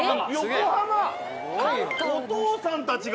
おとうさんたちが。